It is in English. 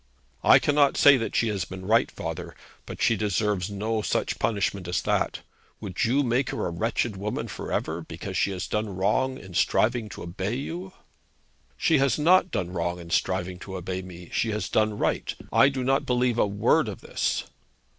'I cannot say that she has been right, father; but she deserves no such punishment as that. Would you make her a wretched woman for ever, because she has done wrong in striving to obey you?' 'She has not done wrong in striving to obey me. She has done right. I do not believe a word of this.'